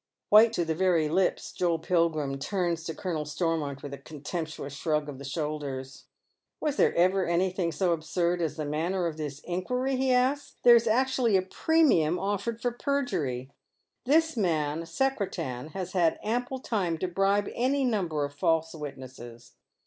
White to the very lips, Joel Pilgrim turns to Colonel Stormont with a contemptuous shrug of the shoulders. " Was there ever anything so absurd as the manner of this inquiry ?" he asks. " There is actually a premium offered for perjury 1 This man, Secretan, has had ample time to bribe any number of false witnesses.